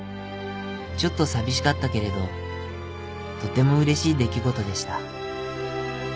ちょっと寂しかったけれどとてもうれしい出来事でした。